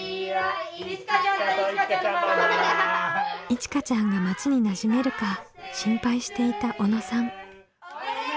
いちかちゃんが町になじめるか心配していた小野さん。